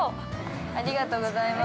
◆ありがとうございます。